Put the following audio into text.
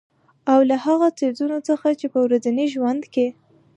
او له هـغو څـيزونه څـخـه چـې په ورځـني ژونـد کـې